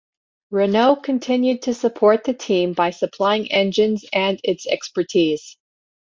Renault continued to support the team by supplying engines and its expertise.